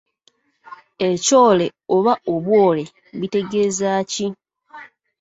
Ekyole oba obwole bitegeeza ki?